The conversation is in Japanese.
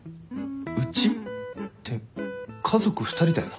うちって家族２人だよな？